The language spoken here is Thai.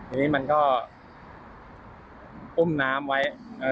ทีนี้มันก็อุ้มน้ำไว้